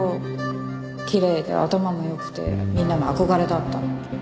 きれいで頭も良くてみんなの憧れだったのに。